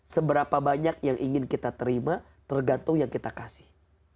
seberapa banyak yang ingin kita terima tergantung yang kita kasih